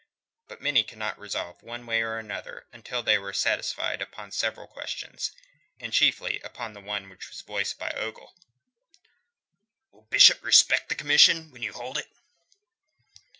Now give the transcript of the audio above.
But many could not resolve one way or the other until they were satisfied upon several questions, and chiefly upon one which was voiced by Ogle. "Will Bishop respect the commission when you hold it?"